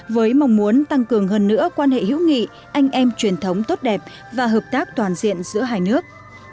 với mong muốn tăng cường hơn nữa quan hệ hữu nghị anh em truyền thống tốt đẹp và hợp tác toàn diện giữa hai nước